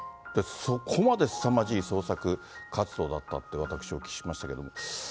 そこまですさまじい創作活動だったと、私、お聞きしましたけれども。